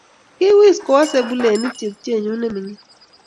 kiwis kowo sebulenit tupchenyu ne mining